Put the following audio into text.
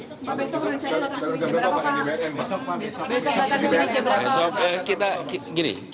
bapak besok menerjakan ujian berapa pak